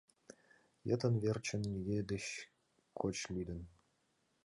Йытын верчын нигӧ деч коч лӱдын.